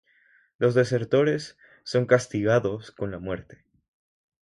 Los desertores son castigados con la muerte.